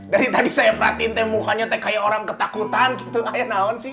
dari tadi saya perhatiin teh mukanya teh kayak orang ketakutan gitu ayah naon sih